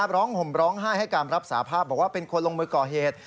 ห่มร้องไห้ให้การรับสาภาพบอกว่าเป็นคนลงมือก่อเหตุ